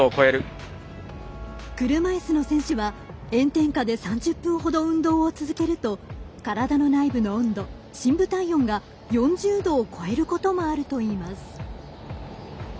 車いすの選手は炎天下で３０分ほど運動を続けると体の内部の温度深部体温が４０度を超えることもあるといいます。